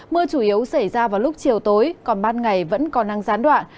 mưa chủ yếu xảy ra vào lúc chiều tối còn ban ngày vẫn còn năng gián đoạn